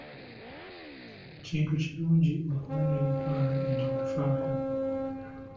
Kintu kirungi okuba n'emikwano egikufaako.